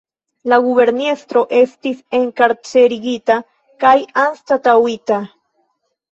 La guberniestro estis enkarcerigita kaj anstataŭita.